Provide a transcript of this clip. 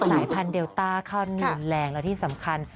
สายพันธุเดลต้าเข้ารุนแรงแล้วที่สำคัญ